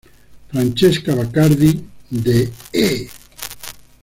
Francesca Bacardí de E!